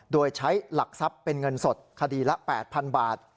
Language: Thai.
โดยใช้หลักทรัพย์เป็นเงินสดคดีละ๘๐๐๐บาท